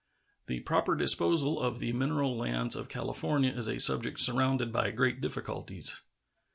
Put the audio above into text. The proper disposal of the mineral lands of California is a subject surrounded by great difficulties.